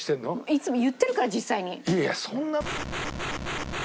いつも言ってるから実際に。